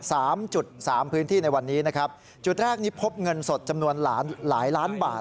สามจุดสามพื้นที่ในวันนี้นะครับจุดแรกนี้พบเงินสดจำนวนหลายหลายล้านบาท